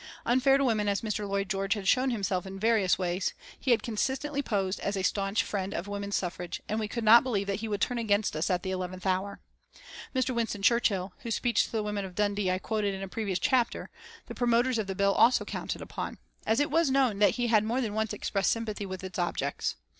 Unfair to women as Mr. Lloyd George had shown himself in various ways, he had consistently posed as a staunch friend of women's suffrage, and we could not believe that he would turn against us at the eleventh hour. Mr. Winston Churchill, whose speech to the women of Dundee I quoted in a previous chapter, the promoters of the Bill also counted upon, as it was known that he had more than once expressed sympathy with its objects.